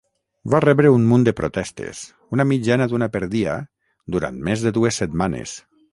Va rebre un munt de protestes, una mitjana d'una per dia, durant més de dues setmanes.